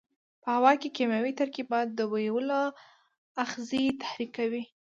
په هوا کې کیمیاوي ترکیبات د بویولو آخذې تحریکوي.